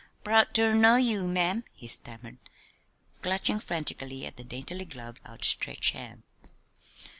"Proud ter know ye, ma'am," he stammered, clutching frantically at the daintily gloved, outstretched hand.